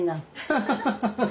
ハハハハ。